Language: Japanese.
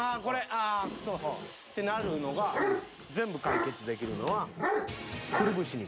ああくそっ」ってなるのが全部解決できるのは。